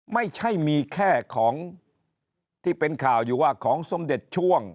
ไม่ใช่มีแค่ของที่เป็นข่าวอยู่ว่าของสมเด็จช่วง